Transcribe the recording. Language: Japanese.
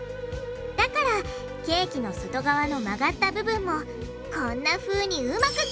だからケーキの外側の曲がった部分もこんなふうにうまく切れちゃう！